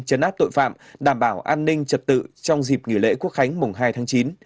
chấn áp tội phạm đảm bảo an ninh trật tự trong dịp nghỉ lễ quốc khánh mùng hai tháng chín